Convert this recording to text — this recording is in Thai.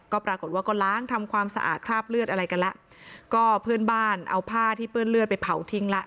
ก็ปรากฏว่าก็ล้างทำความสะอาดคราบเลือดอะไรกันแล้วก็เพื่อนบ้านเอาผ้าที่เปื้อนเลือดไปเผาทิ้งแล้ว